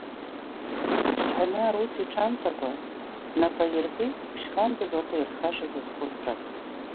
Ԥсҳәанаа рус иҽамҭакәа, напы аиркит Ԥшьҟан дызлаҭаирхашаз азхәыцра.